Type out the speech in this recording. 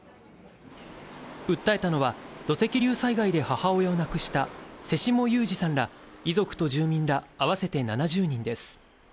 訴えたのは土石流災害で母親を亡くした瀬下雄史さんら、遺族と住民ら合わせて７０人です。